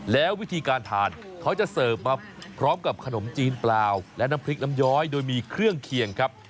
แล้ววิธีการทานเขาจะเสิร์ฟมาพร้อมกับขนมจีนเปล่าและน้ำพริกน้ำย้อยโดยมีเครื่องเคียงครับ